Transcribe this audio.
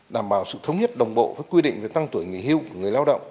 đảm bảo sự thống nhất đồng bộ với quy định về tăng tuổi nghỉ hưu của người lao động